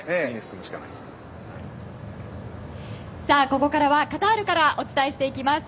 ここからはカタールからお伝えしていきます。